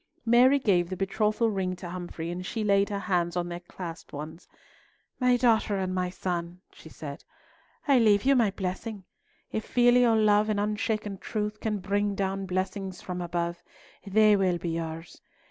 Mary gave the betrothal ring to Humfrey, and she laid her hands on their clasped ones. "My daughter and my son," she said, "I leave you my blessing. If filial love and unshaken truth can bring down blessings from above, they will be yours.